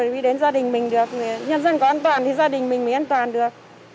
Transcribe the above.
vì đến gia đình mình được nhân dân có an toàn thì gia đình mình mới an toàn được